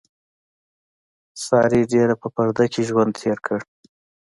سارې ډېر په پرده کې ژوند تېر کړ.